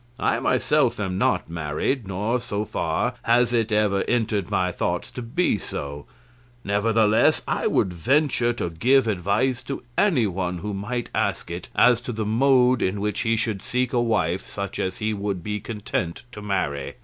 I myself am not married, nor, so far, has it ever entered my thoughts to be so; nevertheless I would venture to give advice to anyone who might ask it, as to the mode in which he should seek a wife such as he would be content to marry.